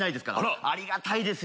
ありがたいですよ。